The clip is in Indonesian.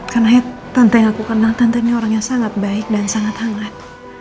karena tante yang aku kenal tante ini orang yang sangat baik dan sangat hangat